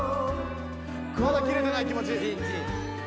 まだ切れてない気持ち。